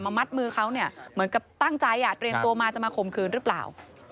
มัดมือเขาเนี่ยเหมือนกับตั้งใจอ่ะเตรียมตัวมาจะมาข่มขืนหรือเปล่า